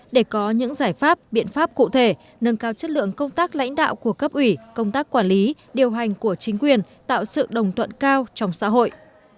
để có những giải pháp biện pháp cụ thể nâng cao chất lượng công tác lãnh đạo của cấp ủy công tác quản lý điều hành của chính quyền tạo sự đồng tuận cao trong xã hội